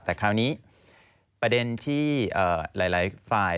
แต่คราวนี้ประเด็นที่หลายฝ่าย